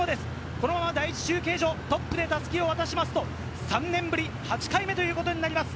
このまま第１中継所、トップで襷を渡しますと、３年ぶり８回目ということになります。